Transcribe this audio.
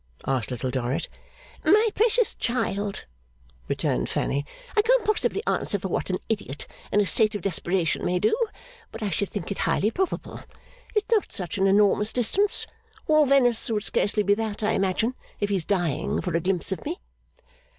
asked Little Dorrit. 'My precious child,' returned Fanny, 'I can't possibly answer for what an idiot in a state of desperation may do, but I should think it highly probable. It's not such an enormous distance. All Venice would scarcely be that, I imagine, if he's dying for a glimpse of me.